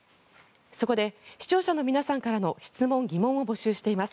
そこで視聴者の皆さんからの質問・疑問を募集しています。